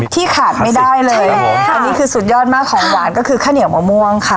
ที่ขาดไม่ได้เลยอันนี้คือสุดยอดมากของหวานก็คือข้าวเหนียวมะม่วงค่ะ